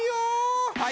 はい！